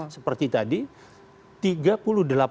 seperti tadi tiga puluh delapan kilo